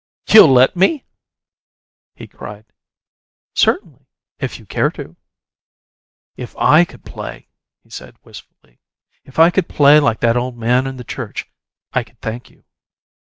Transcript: "You'll let me?" he cried. "Certainly, if you care to." "If I could play " he said, wistfully, "if I could play like that old man in the church I could thank you."